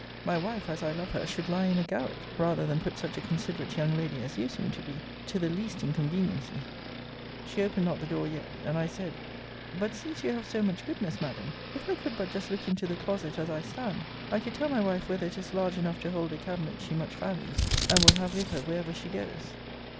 My wife, as I love her, should lie in a garret, rather than put such a considerate young lady, as you seem to be, to the least inconveniency. She opened not the door yet; and I said, but since you have so much goodness, Madam, if I could but just look into the closet as I stand, I could tell my wife whether it is large enough to hold a cabinet she much values, and ill have with her wherever she goes.